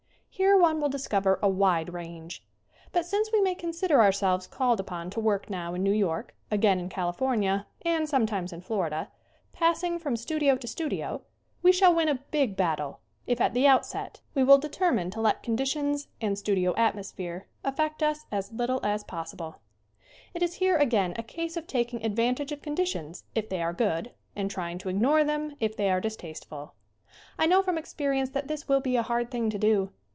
Here one will discover a wide range. But since we may consider our selves called upon to work now in New York, again in California, and sometimes in Florida, passing from studio to studio, we shall win a big battle if at the outset we will determine to 101 102 SCREEN ACTING let conditions and studio atmosphere affect us as little as possible. It is here, again, a case of taking advantage of conditions if they are good, and trying to ignore them if they are distasteful. I know from experience that this will be a hard thing to do.